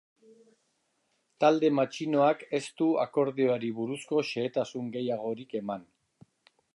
Talde matxinoak ez du akordioari buruzko xehetasun gehiagorik eman.